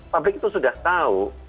publik itu sudah tahu